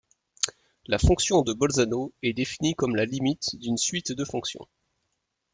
La fonction de Bolzano est définie comme la limite d'une suite de fonctions.